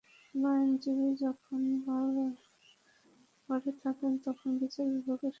কোনো আইনজীবী যখন বারে থাকেন, তখন বিচার বিভাগের স্বাধীনতায় সোচ্চার থাকেন।